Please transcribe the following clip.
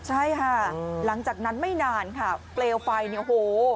ใช่ค่ะหลังจากนั้นไม่นานเฟลไฟโอ้โห